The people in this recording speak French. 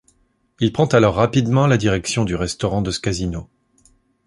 Il prend alors rapidement la direction du restaurant de ce casino.